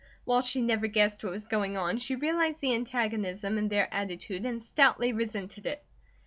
While she never guessed what was going on, she realized the antagonism in their attitude and stoutly resented it.